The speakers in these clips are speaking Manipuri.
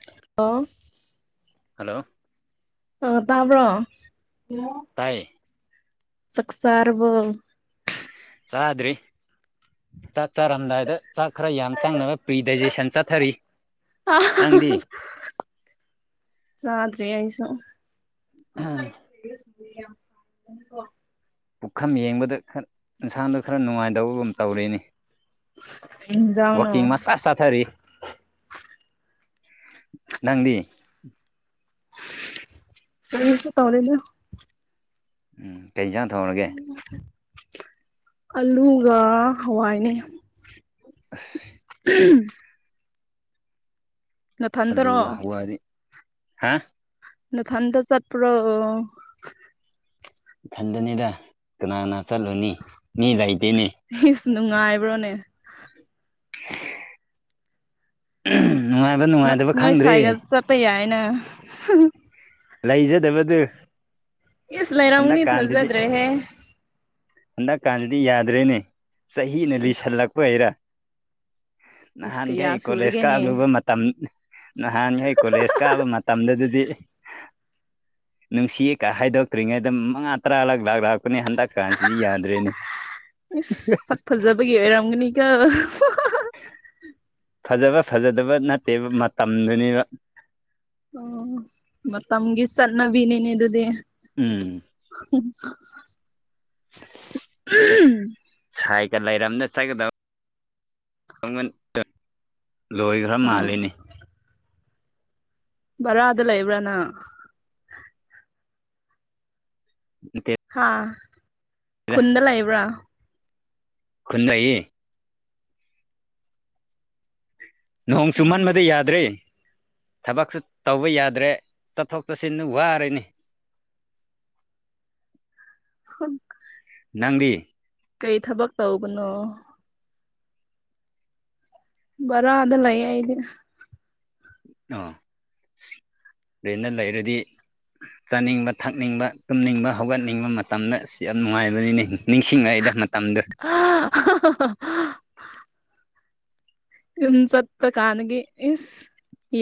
[inaudible] ꯍꯜꯂꯣ ꯑ ꯇꯥꯕ꯭ꯔꯣ ꯇꯥꯏꯌꯦ ꯆꯥꯛ ꯆꯔꯕꫭ ꯆꯗ꯭ꯔꯤ ꯆꯥꯡ ꯆꯥꯔꯝꯗꯥꯏꯗ ꯆꯥꯛ ꯈꯔ ꯌꯥꯝ ꯆꯪꯅꯕ ꯄ꯭ꯔꯤꯗꯥꯏꯖꯦꯁꯟ ꯆꯠꯊꯔꯤ ꯅꯪꯗꯤ ꯆꯗ꯭ꯔꯤ ꯑꯩꯁꯨ [inaudible] ꯄꯨꯈꯝ ꯌꯦꯡꯕꯗ ꯈꯔ ꯏꯟꯁꯥꯡꯗꯣ ꯈꯔ ꯅꯨꯡꯉꯥꯏꯇꯕꯒꯨꯝ ꯇꯧꯔ° ꯅ° ꯀꯩ ꯍꯤꯟꯖꯥꯡꯅꯣ ꯋꯥꯀꯤ ꯃꯆꯥ ꯆꯠ ꯊꯔꯤ ꯅꯪꯗꯤ ꯉꯟꯅꯁꯨ ꯇꯧꯔꯦꯅ ꯎꯝ ꯀꯩꯖꯥꯡ ꯊꯣꯡꯔꯒꯦ ꯑꯂꯨꯒ ꯍꯋꯥꯏꯅꯦ ꯑꯁ ꯎꯝ ꯅꯊꯟꯇꯔꯣ ꯑꯜꯂꯨꯒ ꯍꯋꯥꯗꯤ ꯍꯥ ꯅꯊꯟꯗ ꯆꯠꯄꯔꯣ ꯏꯊꯟꯗꯅꯦꯗ ꯀꯅꯥ ꯀꯅꯥ ꯆꯠꯂꯨꯅꯤ ꯃꯤ ꯂꯩꯇꯦꯅꯦ ꯏꯁ ꯅꯨꯡꯉꯥꯏꯕ꯭ꯔꯣꯅꯦ ꯅꯨꯡꯉꯥꯏꯕ ꯅ ꯅꯨꯡꯉꯥꯏꯇꯕ ꯅꯣꯏ ꯈꯪꯗ꯭ꯔꯦ ꯁꯥꯏꯒ ꯆꯠꯄ ꯌꯥꯏꯅ ꯂꯩꯖꯗꯕꯗꯣ ꯏꯁ ꯍꯟꯗꯛ ꯂꯩꯔꯝꯒꯅꯤ ꯀꯥꯟꯁꯤꯗꯤ ꯊꯥꯖꯗ꯭ꯔꯦꯍꯦ ꯍꯟꯗꯛ ꯀꯥꯟꯁꯤꯗꯤ ꯌꯥꯗ꯭ꯔꯦꯅꯦ ꯆꯍꯤꯅ ꯏꯁ ꯂꯤꯁꯜꯂꯛ ꯄꯩꯔ ꯏꯁ ꯀꯌꯥ ꯅꯍꯥꯟꯒꯩ ꯀꯣꯂꯦꯖ ꯁꯨꯔꯒꯦꯅꯦ ꯀꯥꯂꯨꯕ ꯃꯠ ꯅꯍꯥꯟꯒꯩ ꯀꯣꯂꯦꯖ ꯀꯥꯕ ꯃꯇꯝꯗꯗꯗꯤ ꯅꯨꯡꯁꯤꯌꯦ ꯍꯥꯏꯗꯣꯛꯇ꯭ꯔꯤꯉꯩꯗ ꯃꯉꯥ ꯇꯔꯥ ꯂꯛ ꯂꯥꯛ ꯂꯥꯛꯄꯅꯦ ꯍꯟꯗꯛ ꯀꯥꯟꯁꯤꯗꯤ ꯌꯥꯗ꯭ꯔꯦꯅꯦ ꯏꯁ ꯁꯛ ꯐꯖꯕꯒꯤ ꯑꯣꯏꯔꯝꯒꯅꯤꯀꯣ ꯐꯖꯕ ꯐꯖꯗꯕ ꯅꯠꯇꯦꯕ ꯃꯇꯝꯗꯨꯅꯦꯕ ꯑꯣ ꯃꯇꯝꯒꯤ ꯆꯠꯅꯕꯤꯟꯤꯅꯦ ꯑꯗꯨꯗꯤ ꯎꯝ ꯍꯨꯝ [inaudible] ꯁꯥꯏꯒ ꯂꯩꯔꯝꯅ ꯆꯠꯒꯗꯕ ꯂꯣꯏꯈ꯭ꯔ ꯎꯝ ꯃꯥꯜꯂꯦꯅꯦ ꯕꯥꯔꯥꯗ ꯂꯩꯕ꯭ꯔꯥ ꯅꯪ [inaudible] ꯍꯥꯥ ꯈꯨꯟꯗ ꯂꯩꯕ꯭ꯔꯥ ꯈꯨꯟ ꯂꯩꯌꯦ ꯅꯣꯡ ꯑꯣ ꯆꯨꯝꯃꯟꯕꯗ ꯌꯥꯗ꯭ꯔꯦ ꯊꯕꯛꯁꯨ ꯇꯧꯕ ꯌꯥꯗ꯭ꯔꯦ ꯆꯠꯊꯣꯛ ꯆꯠꯁꯤꯟꯗꯨ ꯋꯥꯔꯦꯅꯦ ꯍꯨꯟ ꯅꯪꯗꯤ ꯀꯩ ꯊꯕꯛ ꯇꯧꯕꯅꯣ ꯕꯥꯔꯥ ꯂꯩꯌꯦ ꯑꯩꯗꯤ ꯑꯥ ꯔꯦꯅꯗ ꯂꯩꯔꯗꯤ ꯆꯥꯅꯤꯡꯕ ꯊꯛꯅꯤꯡꯕ ꯇꯨꯝꯅꯤꯡꯕ ꯍꯧꯒꯠꯅꯤꯡꯕ ꯃꯇꯝꯗ ꯑꯁ ꯌꯥꯝ ꯅꯨꯡꯉꯥꯏꯕꯅꯤꯅꯦ ꯅꯤꯡꯁꯤꯡꯉꯛꯏꯗ ꯇꯝꯗꯣ ꯍ ꯍꯥ ꯍꯥ ꯌꯨꯝ ꯆꯠꯄ ꯀꯥꯟꯗꯒꯤ ꯏꯁ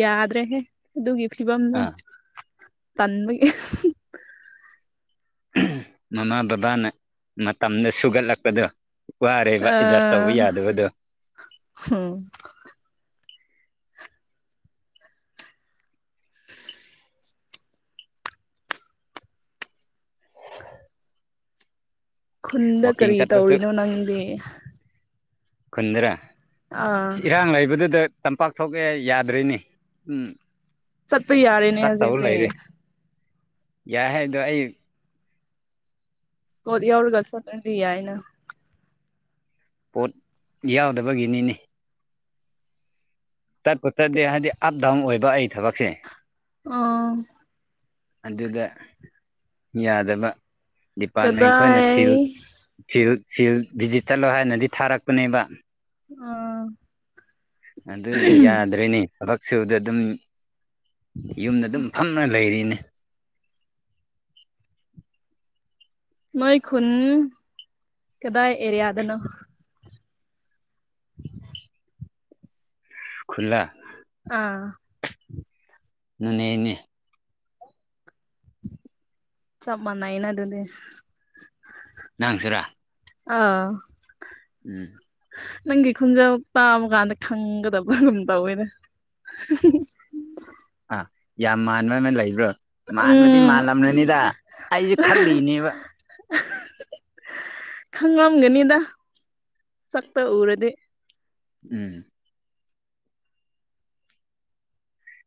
ꯌꯥꯗ꯭ꯔꯦ ꯍꯦ ꯑꯗꯨꯒꯤ ꯐꯤꯕꯝꯗꯣ ꯑ ꯇꯟꯕꯒꯤ ꯃꯃꯥ ꯕꯕꯥꯅ ꯃꯇꯝꯗ ꯁꯨꯒꯠꯂꯛꯄꯗꯣ ꯋꯥꯔꯦꯕ ꯑꯦꯗꯖꯥꯁ ꯇꯧꯕ ꯌꯥꯗꯕꯗꯣ ꯍꯥ ꯈꯨꯟꯗ ꯀꯔꯤ ꯇꯧꯔꯤꯅꯣ ꯅꯪꯗꯤ ꯈꯨꯟꯗ꯭ꯔꯥ ꯑꯥ ꯑꯁ ꯏꯔꯥꯡ ꯂꯩꯕꯗꯨꯗ ꯇꯝꯄꯥꯛ ꯊꯣꯛꯑꯦ ꯌꯥꯗ꯭ꯔꯤꯅꯤ ꯎꯝ ꯆꯠꯄ ꯌꯥꯔꯦꯅꯦ ꯍꯧꯖꯤꯛꯗꯤ ꯌꯥꯢ ꯍꯥꯢꯗꯣ ꯑꯩ ꯄꫭꯠ ꯌꯥꯎꯔꯒ ꯆꯠꯄꯗꯤ ꯌꯥꯢꯌꯦꯅ ꯄꯣꯠ ꯌꯥꯎꯗꯕꯒꯤꯅꯤꯅꯤ ꯆꯠꯄꯨ ꯆꯠꯇꯦ ꯍꯥꯢꯗꯤ ꯑꯞ ꯗꯥꯎꯟ ꯑꯣꯢꯕ ꯑꯩ ꯊꯕꯛꯁꯦ ꯑꯣ ꯑꯗꯨꯗ ꯌꯥꯗꯕ ꯗꯤꯄꯥꯔꯠꯃꯦꯟ ꯈꯣꯢꯅ ꯀꯗꯥꯏ ꯐꯤꯜ ꯐꯤꯜ ꯐꯤꯜ ꯚꯤꯖꯤꯠ ꯆꯠꯂꯣ ꯍꯥꯢꯅꯗꯤ ꯊꯥꯔꯛꯄꯅꯦꯕ ꯑꯥ ꯑꯗꯨꯅ ꯌꯥꯗ꯭ꯔꯅꯤ ꯊꯕꯛ ꯁꯨꯕꯗ ꯑꯗꯨꯝ ꯌꯨꯝꯗ ꯑꯗꯨꯝ ꯐꯝꯅ ꯂꯩꯔꯤꯅꯤ ꯃꯣꯢ ꯈꯨꯟ ꯀꯗꯥꯢ ꯑꯦꯔꯤꯌꯥꯗꯅꯣ [inaudible] ꯈꯨꯜꯂꯦ ꯑꯥ ꯅꯨꯅꯦ ꯅꯦ ꯆꯞ ꯃꯥꯟꯅꯩꯅ ꯑꯗꯨꯅꯦ ꯅꯪꯖꯔꯥ ꯑꯥ ꯎꯝ ꯅꯪꯒꯤ ꯈꯨꯟꯖꯥ ꯇꯥꯕ ꯀꯥꯟꯗ ꯈꯪꯒꯗꯕꯥ ꯑꯗꯨꯝ ꯇꯧꯋꯦꯅꯦ ꯑꯥ ꯌꯥꯝ ꯃꯥꯟꯕ ꯑꯃ ꯂꯩꯕ꯭ꯔꯣ ꯃꯥꯟꯕꯗꯤ ꯎꯝ ꯃꯥꯜꯂꯝꯂꯅꯤꯗ ꯑꯩꯁꯦ ꯈꯜꯂꯤꯅꯦꯕ [unintelligible] ꯈꯪꯂꯝꯒꯅꯤꯗ ꯁꯛꯇꯨ ꯎꯔꯗꯤ ꯎꯝ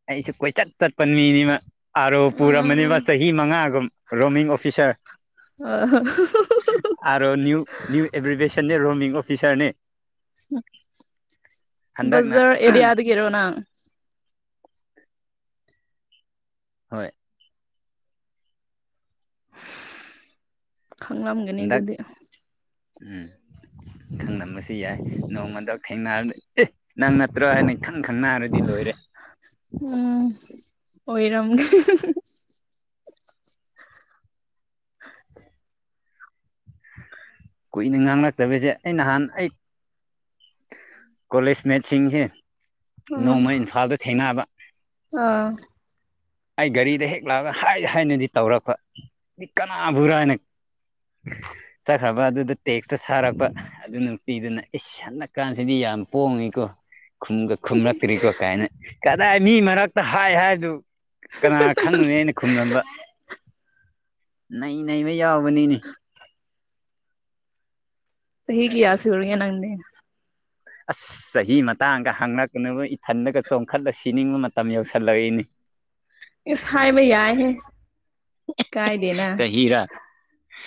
ꯑꯩꯁꯨ ꯀꯣꯢꯆꯠ ꯆꯠꯄ ꯃꯤꯅꯤꯃ ꯑꯥꯔꯣ ꯄꯨꯔꯝꯕꯅꯤꯕ ꯎꯝ ꯆꯍꯤ ꯃꯉꯥꯒꯨꯝ ꯔꯣꯃꯤꯡ ꯑꯣꯐꯤꯁꯥꯔ [unintelligible] ꯑꯥꯔꯣ ꯅꯤꯌꯨ ꯅꯤꯌꯨ ꯑꯦꯕ꯭ꯔꯤꯚꯦꯁꯟꯅꯤ ꯔꯣꯃꯤꯡ ꯑꯣꯐꯤꯁꯥꯔꯅꯤ ꯍꯟꯗꯛꯅ ꯕꯖꯔ ꯑꯦꯔꯤꯌꯥꯗ ꯒꯤꯔꯣ ꯅꯪ ꯍꯣꯢ ꯈꯪꯂꯝꯒꯅꯤ ꯍꯟꯗꯛ ꯑꯗꯨꯗꯤ ꯎꯝ ꯈꯪꯂꯝꯕꯁꯨ ꯌꯥꯢ ꯅꯣꯡꯃꯗ‌ꯣꯛ ꯊꯦꯡꯅꯕꯗ ꯑꯦ ꯅꯪ ꯅꯠꯇ꯭ꯔꯣ ꯍꯥꯢꯅ ꯏꯈꯪ ꯈꯪꯅꯔꯦ ꯑꯩ ꯂꯣꯢꯔꯦ ꯎꯝ ꯑꯣꯢꯔꯝꯒꯅꯤ [unintelligible] ꯀꯨꯢꯅ ꯉꯥꯡꯂꯛꯇꯕꯁꯦ ꯑꯩ ꯅꯍꯥꯟ ꯑꯩ ꯀꯣꯂꯦꯖꯃꯦꯠꯁꯤꯡ ꯍꯦ ꯎꯝ ꯑꯥ ꯑꯩ ꯒꯥꯔꯤꯗ ꯍꯦꯛ ꯂꯥꯛꯑꯒ ꯍꯥꯢ ꯍꯥꯢꯅꯗꯤ ꯇꯧꯔꯛꯄ ꯑꯩ ꯀꯅꯥꯕꯨꯔꯥ ꯆꯠꯈ꯭ꯔꯕ ꯑꯗꯨꯗ ꯇꯦꯛꯁꯇꯣ ꯊꯥꯔꯛꯄ ꯑꯗꯨ ꯅꯨꯄꯤꯗꯨꯅ ꯏꯁ ꯁꯥꯟꯅ ꯀꯥꯟꯁꯤꯗꯤ ꯌꯥꯝ ꯄꯣꯡꯉꯤꯀꯣ ꯈꯨꯝꯒ ꯈꯨꯝꯂꯛꯇ꯭ꯔꯤꯀꯣ ꯀꯥꯢꯅ ꯀꯗꯥꯢ ꯃꯤ ꯃꯔꯛꯇ ꯍꯥꯢ ꯍꯥꯢꯗꯨ ꯀꯅꯥ ꯈꯪꯒꯅꯦ ꯑꯩꯅ ꯈꯨꯝꯂꯝꯕ ꯅꯩ ꯅꯩꯕ ꯌꯥꯎꯕꯅꯤꯅꯦ ꯆꯍꯤ ꯀꯌꯥ ꯁꯨꯔꯒ‌ꯦ ꯅꯪꯗꯤ ꯑꯁ ꯆꯍꯤ ꯃꯇꯥꯡꯒ ꯍꯥꯡꯉꯛꯀꯅꯨꯕ ꯏꯊꯟꯗꯒ ꯆꯣꯡꯈꯠꯂ ꯁꯤꯅꯤꯡꯕ ꯃꯇꯝ ꯌꯧꯁꯤꯜꯂꯛꯏꯅꯤ ꯏꯁ ꯍꯥꯏꯕ ꯌꯥꯏꯍꯦ ꯀꯥꯏꯗ‌ꯦꯅ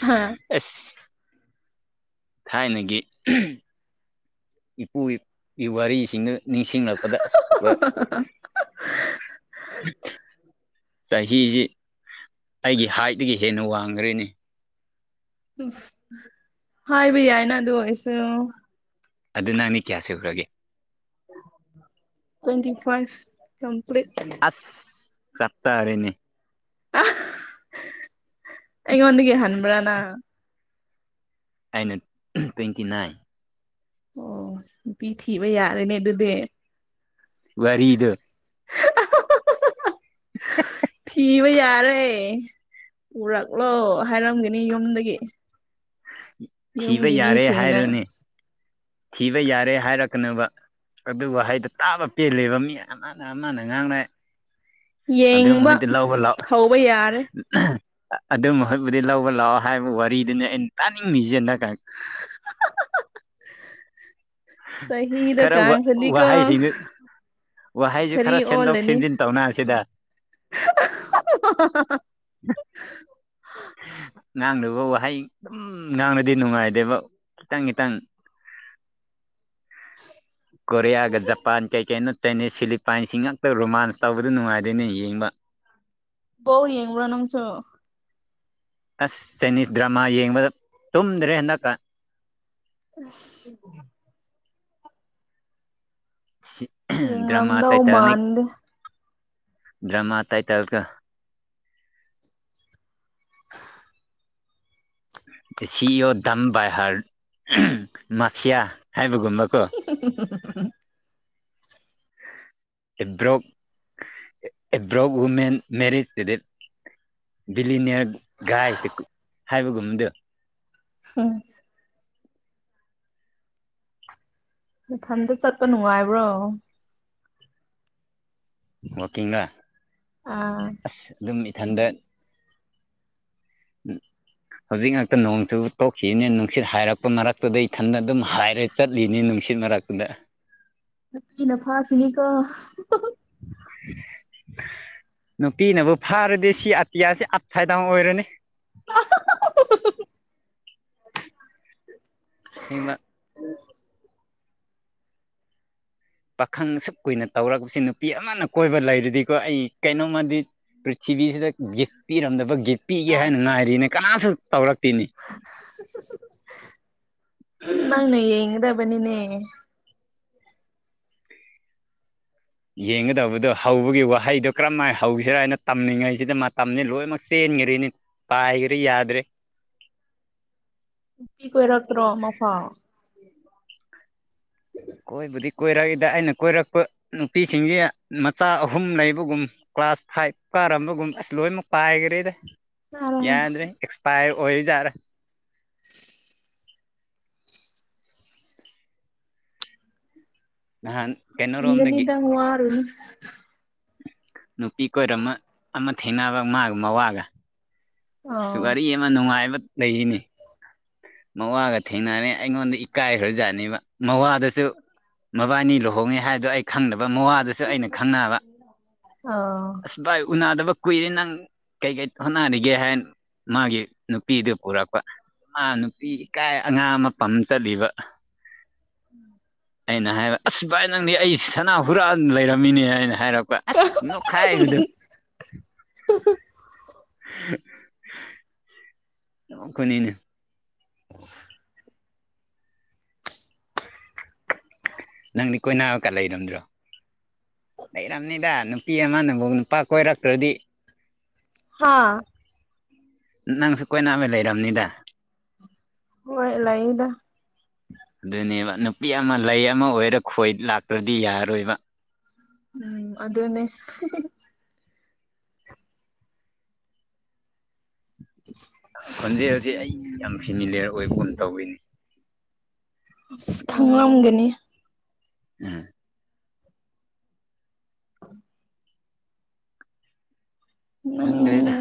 ꯍꯥ ꯑꯦꯁ ꯊꯥꯏꯅꯒꯤ ꯏꯄꯨꯒꯤ ꯋꯥꯔꯤꯁꯤꯡꯅ ꯅꯤꯡꯁꯤꯡꯂꯛꯄꯗ ꯑꯁ ꯋꯥ ꯆꯍꯤꯁꯤ ꯑꯩꯒꯤ ꯍꯥꯏꯠꯇꯒꯤ ꯍꯦꯟꯅ ꯋꯥꯡꯈ꯭ꯔꯦꯅ‌ꯦ ꯎꯁ ꯍꯥꯏꯕ ꯌꯥꯏꯅ ꯑꯗꯨ ꯑꯣꯏꯔꯁꯨ ꯑꯗꯨ ꯅꯪꯅꯤ ꯀꯌꯥ ꯁꯨꯈ꯭ꯔꯒꯦ ꯇ꯭ꯋꯦꯟꯇꯤ ꯐꯥꯏꯚ ꯀꯝꯄ꯭ꯂꯤꯠ ꯑꯁ ꯆꯞ ꯆꯥꯔ‌ꯦꯅꯦ ꯑꯩꯉꯣꯟꯗꯒꯤ ꯍꯟꯕ꯭ꯔꯥ ꯅꯪ ꯑꯩꯅ ꯇ꯭ꯋꯦꯟꯇꯤ ꯅꯥꯏꯟ ꯑꯣ ꯅꯨꯄꯤ ꯊꯤꯕ ꯌꯥꯔꯦꯅꯦ ꯑꯗꯨꯗꯤ ꯋꯥꯔꯤꯗ‌ꯣ ꯊꯤꯕ ꯌꯥꯔ‌ꯦ ꯄꯨꯔꯛꯂꯣ ꯍꯥꯏꯔꯝꯒꯅꯤ ꯌꯨꯝꯗꯒꯤ ꯊꯤꯕ ꯌꯨꯝꯒꯤ ꯌꯥꯔꯦ ꯃꯤꯁꯤꯡꯅ ꯍꯥꯏꯔꯅꯤ ꯊꯤꯕ ꯌꯥꯔꯦ ꯍꯥꯏꯔꯛꯀꯅꯨꯕ ꯑꯗꯨ ꯋꯥꯍꯩꯗꯨ ꯇꯥꯕ ꯄꯦꯜꯂꯦꯕ ꯃꯤ ꯑꯃꯅ ꯑꯃꯅ ꯉꯥꯡꯅꯩ ꯑꯗꯨꯏ ꯌꯦꯡꯕ ꯃꯍꯨꯠꯇꯤ ꯂꯧꯕ ꯂꯥꯛ ꯍꯧꯕ ꯌꯥꯔꯦ ꯑꯗꯨꯏ ꯃꯍꯨꯠꯄꯨꯗꯤ ꯂꯧꯕ ꯂꯥꯛꯑꯣ ꯍꯥꯏꯕ ꯋꯥꯔꯤꯗꯨꯅꯤ ꯑꯩꯅ ꯇꯥꯅꯤꯡꯉꯤꯁꯦꯅ ꯀꯥꯏ ꯆꯍꯤꯗꯣ ꯈꯔ ꯋꯥ ꯀꯥꯡꯈ꯭ꯔꯗꯤꯀꯣ ꯋꯥꯍꯩꯁꯤꯡꯗ‌ꯨ ꯋꯥꯍꯩꯖꯤ ꯁꯥꯔꯤ ꯈꯔ ꯁꯦꯝꯗꯣꯛ ꯑꯣꯜꯂꯅꯤ ꯁꯦꯝꯖꯤꯟ ꯇꯧꯅꯕꯁꯤꯗ [unintelligible] [unintelligible] ꯉꯥꯡꯅꯕ ꯋꯥꯍꯩ ꯑꯗꯨꯝ ꯉꯥꯡꯂꯗꯤ ꯅꯨꯡꯉꯥꯏꯗꯦꯕ ꯈꯤꯇꯪ ꯈꯤꯇꯪ ꯀꯣꯔꯤꯌꯥꯒ ꯖꯄꯥꯟ ꯀꯩ ꯀꯩꯅ‌ꯣ ꯆꯥꯏꯅꯤꯁ ꯐꯤꯂꯤꯞ ꯄꯥꯏꯟꯁꯤꯡ ꯉꯥꯛꯇ ꯔꯣꯃꯥꯟꯁ ꯇꯧꯕꯗ‌ꯣ ꯅꯨꯡꯉꯥꯏꯗ‌ꯦꯅꯦ ꯌꯦꯡꯕ ꯕ‌ꯣꯜ ꯌ‌ꯦꯡꯕ꯭ꯔ‌ꯣ ꯅꯪꯁꯨ ꯑꯁ ꯆꯥꯏꯅꯤꯁ ꯗ꯭ꯔꯃꯥ ꯌꯦꯡꯕꯗ ꯇꯨꯝꯗ꯭ꯔꯦ ꯍꯟꯗꯛꯀ ꯑꯁ ꯁꯤ ꯗ꯭ꯔꯃꯥ ꯌꯦꯡꯂꯝꯗꯧ ꯇꯥꯏꯇꯜꯅꯤ ꯃꯥꯟꯗꯦ ꯗ꯭ꯔꯃꯥ ꯇꯥꯏꯇꯜꯒ [unintelligible] ꯁꯤ ꯏ ꯌꯣ ꯗꯝ ꯕꯥꯏ ꯍꯔ ꯃꯥꯐꯤꯌꯥ ꯍꯥꯏꯕꯒꯨꯝꯕ ꯀꯣ [unintelligible] ꯑꯦꯕ꯭ꯔꯣꯛ ꯑꯦꯕ꯭ꯔꯣꯛ ꯋꯨꯃꯦꯟ ꯃꯦꯔꯤꯠ ꯏꯕꯤꯜ ꯕꯤꯂꯤꯅ꯭ꯌꯔ ꯒꯥꯏ ꯍꯥꯏꯕꯒꯨꯝꯕꯗꯣ [unintelligible] ꯅꯊꯟꯗ ꯆꯠꯄ ꯅꯨꯡꯉꯥꯏꯕ꯭ꯔꯣ ꯋꯥꯀꯤꯡꯂꯥ ꯑꯥ ꯑꯁ ꯗꯨꯝ ꯏꯊꯟꯗ ꯍꯧꯖꯤꯛ ꯉꯛꯇ ꯅꯣꯡꯁꯨ ꯇꯣꯛꯈꯤꯝꯅꯦ ꯅꯨꯡꯁꯤꯠ ꯍꯥꯏꯔꯛꯄ ꯃꯔꯛꯇꯨꯗ ꯏꯊꯟꯗ ꯑꯗꯨꯝ ꯍꯥꯏꯔ ꯆꯠꯂꯤꯅꯤ ꯅꯨꯡꯁꯤꯠ ꯃꯔꯛꯇꯨꯗ ꯅꯨꯄꯤꯅ ꯐꯈꯤꯅꯤꯀꯣ [unintelligible] ꯅꯨꯄꯤꯅꯕꯨ ꯐꯥꯔꯗꯤ ꯁꯤ ꯑꯇꯤꯌꯥꯁꯤ ꯑꯞꯁꯥꯏꯗꯥꯎꯟ ꯑꯣꯏꯔꯅꯤ [unintelligible] ꯍꯩꯃꯥ ꯄꯥꯈꯪ ꯑꯁꯨꯛ ꯀꯨꯏꯅ ꯇꯧꯔꯛꯄꯁꯤ ꯅꯨꯄꯤ ꯑꯃꯅ ꯀꯣꯏꯕ ꯂꯩꯔꯗꯤꯀꯣ ꯑꯩ ꯀꯩꯅꯣꯝꯃꯗꯤ ꯄ꯭ꯔꯤꯊꯤꯕꯤꯁꯤꯗ ꯒꯤꯐ ꯄꯤꯔꯝꯗꯕ ꯒꯤꯐ ꯄꯤꯒꯦ ꯍꯥꯏꯅ ꯉꯥꯏꯔꯤꯅꯦ ꯀꯅꯥꯁꯨ ꯇꯧꯔꯛꯇꯤꯅꯦ ꯅꯪꯅ ꯌꯦꯡꯒꯗꯕꯅꯤꯅꯦ ꯌꯦꯡꯒꯗꯧꯕꯗꯣ ꯍꯧꯕꯒꯤ ꯋꯥꯍꯩꯗꯣ ꯀꯔꯝ ꯍꯥꯏ ꯍꯧꯁꯤꯔꯥ ꯍꯥꯏꯅ ꯇꯝꯃꯤꯉꯩꯁꯤꯗ ꯃꯇꯝꯗꯤ ꯂꯣꯏꯅꯃꯛ ꯆꯦꯟꯒꯔꯦꯅꯤ ꯄꯥꯏꯒꯔꯤ ꯌꯥꯗ꯭ꯔꯦ ꯅꯨꯄꯤ ꯀꯣꯏꯔꯛꯇ꯭ꯔꯣ ꯑꯃꯐꯥꯎ ꯀꯣꯏꯕꯨꯗꯤ ꯀꯣꯏꯔꯛꯏꯗ ꯑꯩꯅ ꯀꯣꯏꯔꯛꯄ ꯅꯨꯄꯤꯁꯤꯡꯖꯦ ꯃꯆꯥ ꯑꯍꯨꯝ ꯂꯩꯕꯒꯨꯝ ꯀ꯭ꯂꯥꯁ ꯐꯥꯏꯚ ꯀꯥꯔꯝꯕꯒꯨꯝ ꯑꯁ ꯂꯣꯏꯅꯃꯛ ꯄꯥꯏꯒꯔꯦꯗ ꯆꯥꯔꯦꯍꯦ ꯌꯥꯗ꯭ꯔꯦ ꯑꯦꯛꯁꯄꯥꯏꯌꯔ ꯑꯣꯏꯔꯤꯖꯥꯠ ꯂꯥ [unintelligible] ꯅꯍꯥꯟ ꯀꯩꯅꯣꯔꯣꯝꯗꯒꯤ ꯐꯪꯒꯅꯤꯗ ꯋꯥꯔꯨꯅꯨ ꯅꯨꯄꯤ ꯀꯣꯏꯔꯝꯃ ꯑꯃ ꯊꯦꯡꯅꯕ ꯃꯥꯒꯤ ꯃꯋꯥꯒ ꯑꯁ ꯑꯥ ꯋꯥꯔꯤ ꯑꯃ ꯅꯨꯡꯉꯥꯏꯕ ꯂꯩꯔꯤꯅꯦ ꯃꯋꯥꯒ ꯊꯦꯡꯅꯔꯦ ꯑꯩꯉꯣꯟꯗ ꯏꯀꯥꯏꯈ꯭ꯔꯖꯥꯠꯅꯦꯕ ꯃꯋꯥꯗ ꯁꯨ ꯃꯕꯥꯅꯤ ꯂꯨꯍꯣꯡꯉꯦ ꯍꯥꯏꯕꯗꯨ ꯑꯩ ꯈꯪꯗꯕ ꯃꯋꯥꯗꯨꯁꯨ ꯑꯩꯅ ꯈꯪꯅꯕ ꯑꯣ ꯑꯁ ꯚꯥꯏ ꯎꯅꯗꯕ ꯀꯨꯏꯔꯦ ꯅꯪ ꯀꯩꯀꯩ ꯊꯣꯠꯅꯔꯤꯒꯦ ꯍꯥꯏꯅ ꯃꯥꯒꯤ ꯅꯨꯄꯤꯗꯨ ꯄꯨꯔꯛꯄ ꯃꯥ ꯅꯨꯄꯤ ꯏꯀꯥꯏ ꯑꯉꯥꯡ ꯑꯃ ꯄꯝ ꯆꯠꯂꯤꯕ [unintelligible] ꯑꯩꯅ ꯍꯥꯏꯕ ꯑꯁ ꯚꯥꯏ ꯅꯪꯗꯤ ꯑꯩ ꯁꯅꯥ ꯍꯨꯔꯥꯟ ꯂꯩꯔꯝꯃꯤꯅꯦ ꯍꯥꯏꯅ ꯍꯥꯏꯔꯛꯄ ꯑꯁ ꯈꯥꯏꯕꯗꯨ [unintelligible] ꯅꯣꯛꯄꯅꯤꯅꯦ [unintelligible] ꯅꯪꯗꯤ ꯀꯣꯏꯅꯥꯕꯀ ꯂꯩꯔꯝꯗ꯭ꯔꯣ ꯂꯩꯔꯝꯅꯤꯗ ꯅꯨꯄꯤ ꯑꯃꯅꯕꯨ ꯅꯨꯄꯥ ꯀꯣꯏꯔꯛꯇ꯭ꯔꯗꯤ ꯍꯥꯥ ꯅꯪꯁꯨ ꯀꯣꯏꯅꯕ ꯂꯩꯔꯝꯅꯤꯗ ꯍꯣꯏ ꯂꯩ ꯌꯦꯗ ꯑꯗꯨꯅꯦꯕ ꯅꯨꯄꯤ ꯑꯃ ꯂꯩ ꯑꯃ ꯑꯣꯏꯔ ꯈꯣꯏ ꯂꯥꯛꯇ꯭ꯔꯗꯤ ꯌꯥꯔꯔꯣꯏꯕ ꯎꯝ ꯑꯗꯨꯅꯦ ꯅꯪ ꯈꯣꯟꯖꯦꯜꯁꯦ ꯑꯩ ꯌꯥꯝ ꯐꯦꯃꯤꯂꯤꯌꯔ ꯑꯣꯏꯕꯒꯨꯝ ꯇꯧꯋꯤꯅꯦ ꯑꯁ ꯈꯪꯂꯝꯒꯅꯤ ꯎꯝ [unintelligible] ꯅꯪ ꯈꯪꯗꯔꯦꯗ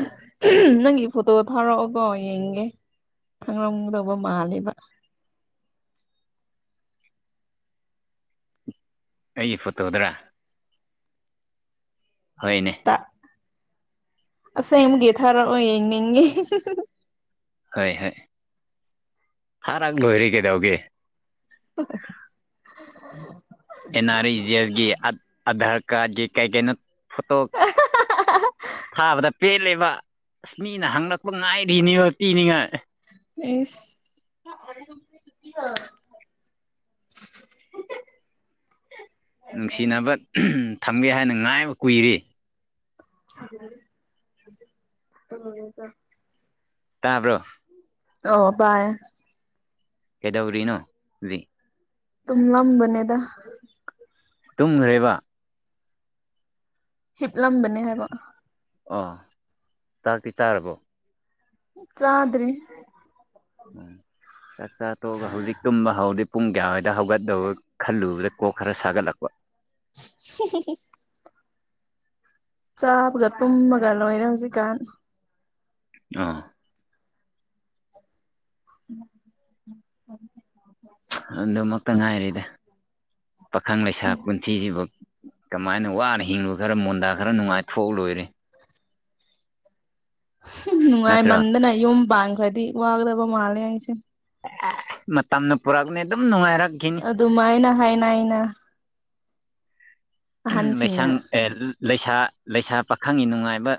ꯅꯪꯒꯤ ꯐꯣꯇꯣ ꯊꯥꯔꯛꯑꯣꯀꯣ ꯌꯦꯡꯒꯦ ꯈꯪꯂꯝꯒꯗꯧꯕ ꯃꯥꯜꯂꯦꯕ ꯑꯩꯒꯤ ꯐꯣꯇꯣꯗꯔꯥ ꯍꯣꯏꯅꯦ [unintelligible] ꯑꯁꯦꯡꯕꯒꯤ ꯊꯥꯔꯛꯑꯣ ꯌꯦꯡꯅꯤꯡꯉꯤ ꯍꯣꯏ ꯍꯣꯏ ꯊꯥꯔꯛ ꯂꯣꯏꯔꯦ ꯀꯩꯗꯧꯒꯦ [unintelligible] ꯑꯦꯅꯔꯤꯖꯦꯜꯒꯤ ꯑꯙꯥꯔ ꯀꯥꯔꯗꯒꯤ ꯀꯩꯀꯩꯅꯣ ꯐꯣꯇꯣ [unintelligible] ꯊꯥꯕꯗ ꯄꯦꯜꯂꯦꯕ ꯑꯁ ꯃꯤꯅ ꯍꯪꯂꯛꯄ ꯉꯥꯏꯔꯤꯅꯤꯕ ꯄꯤꯅꯤꯉꯥꯏ ꯏꯁ [unintelligible] ꯅꯨꯡꯁꯤꯅꯕ ꯊꯝꯒꯦ ꯍꯥꯏꯅ ꯉꯥꯏꯕ ꯀꯨꯏꯔꯦ [unintelligible] ꯇꯥꯕ꯭ꯔꯣ ꯑꯣ ꯇꯥꯏꯌꯦ ꯀꯩꯗꯧꯔꯤꯅꯣ ꯍꯧꯖꯤꯛ ꯇꯨꯝꯂꯝꯕꯅꯦꯗ ꯇꯨꯝ ꯂꯩꯕ ꯍꯤꯞꯂꯝꯕꯅꯦ ꯍꯥꯏꯕ ꯑꯣ ꯆꯥꯛꯇꯤ ꯆꯥꯔꯕꯣ ꯆꯥꯗ꯭ꯔꯤ ꯎꯝ ꯆꯥꯛ ꯆꯥ ꯇꯣꯛꯑꯒ ꯍꯧꯖꯤꯛ ꯇꯨꯝꯕ ꯍꯧꯔꯗꯤ ꯄꯨꯡ ꯀꯌꯥꯋꯥꯏꯗ ꯍꯧꯒꯠꯂꯧ ꯈꯜꯂꯨꯕꯗ ꯀꯣꯛ ꯈꯔ ꯁꯥꯒꯠꯂꯛꯄ [unintelligible] ꯆꯥꯕꯒ ꯇꯨꯝꯕꯒ ꯂꯣꯏꯔꯦ ꯍꯧꯖꯤꯛ ꯀꯥꯟ ꯑꯥ [unintelligible] ꯑꯗꯨꯃꯛꯇ ꯉꯥꯏꯔꯦꯗ ꯄꯥꯈꯪ ꯂꯩꯁꯥ ꯄꯨꯟꯁꯤ ꯁꯤꯕꯨ ꯀꯃꯥꯏꯅ ꯋꯥꯅ ꯍꯤꯡꯉꯨ ꯈꯔ ꯃꯣꯟꯗꯥ ꯈꯔ ꯅꯨꯡꯉꯥꯏꯊꯣꯛꯑ ꯂꯣꯏꯔꯦ ꯅꯠꯇ꯭ꯔꯣ ꯅꯨꯡꯉꯥꯏꯃꯟꯗꯅ ꯌꯨꯝ ꯄꯥꯟꯈ꯭ꯔꯗꯤ ꯋꯥꯒꯗꯕ ꯃꯥꯜꯂꯦ ꯑꯩꯁꯦ ꯃꯇꯝꯅ ꯄꯨꯔꯛꯅꯤ ꯑꯗꯨꯝ ꯅꯨꯡꯉꯥꯏꯔꯛ ꯑꯗꯨꯃꯥꯏꯅ ꯍꯥꯏꯅꯩꯅ ꯑꯍꯟꯁꯤꯡꯅ ꯂꯩꯁꯪ ꯑꯦ ꯂꯩꯁꯥ ꯂꯩꯁꯥ ꯄꯥꯈꯪꯒꯤ ꯅꯨꯡꯉꯥꯏꯕ